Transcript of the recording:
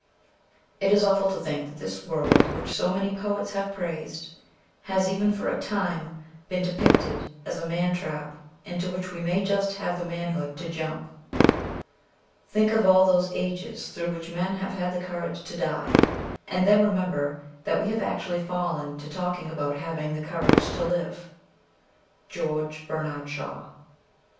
' 310 OCTOBER 5th IT is awful to think that this world which so many poets have praised has even for a time been depicted as a mantrap into which we may just have the manhood to jump. Think of all those ages through which men have had the courage to die, and then remember that we have actually fallen to talking about having the courage to live. ' George Bernard Shatv.'